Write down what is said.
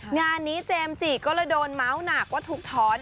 งานนี้เจมส์จิก็เลยโดนเมาส์หนักว่าถูกถอน